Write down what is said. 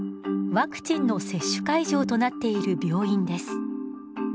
ワクチンの接種会場となっている病院です。